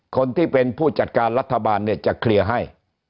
คนที่เป็นผู้จัดการรัฐบาลเนี่ยจะเคลียร์ให้